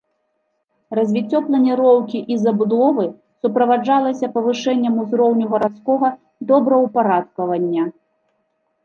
Развіццё планіроўкі і забудовы суправаджалася павышэннем узроўню гарадскога добраўпарадкавання.